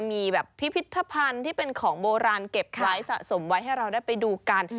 มีแบบพิพิธภัณฑ์ที่เป็นของโบราณเก็บไว้สะสมไว้ให้เราได้ไปดูกัน